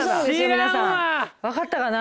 皆さん分かったかな？